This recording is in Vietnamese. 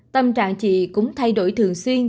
tâm trạng chị cũng thay đổi thường xuyên